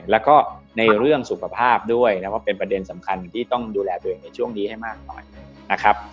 แล้วก็ในเรื่องสุขภาพด้วยนะครับเป็นประเด็นสำคัญที่ต้องดูแลตัวเองในช่วงนี้ให้มากหน่อยนะครับ